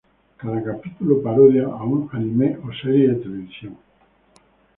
Cada capítulo parodia a un anime o serie de televisión.